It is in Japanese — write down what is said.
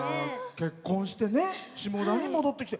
結婚して下田に戻ってきて。